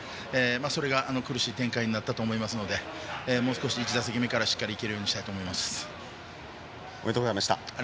それが苦しい展開になったと思いますのでもう少し、１打席目からしっかり行けるようにしたいとおめでとうございました。